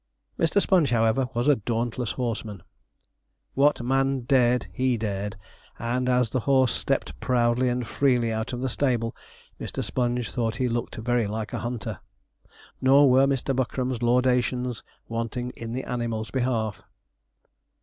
Mr. Sponge, however, was a dauntless horseman. What man dared he dared, and as the horse stepped proudly and freely out of the stable, Mr. Sponge thought he looked very like a hunter. Nor were Mr. Buckram's laudations wanting in the animal's behalf.